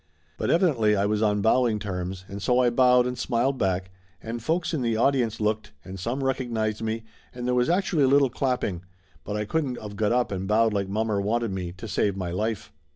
But evidently I was on bowing terms, and so I bowed and smiled back, and folks in the audience looked, and some recognized me and there was actually a little clapping, but I couldn't of got up and bowed like mommer wanted me, to save my life.